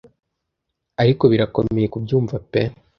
ariko birakomeye kubyumva pe